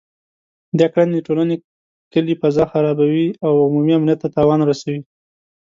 دا کړنې د ټولنې کلي فضا خرابوي او عمومي امنیت ته تاوان رسوي